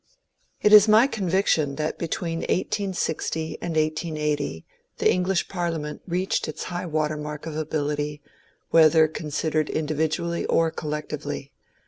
It is my conviction that between 1860 and 1880 the English Parliament reached its high water mark of ability, whether considered individually or collectively.